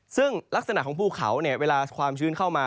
ซึ่งลักษณะของภูเขาเวลาความชื้นเข้ามา